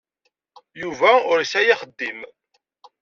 Yuba ur yesɛi axeddim.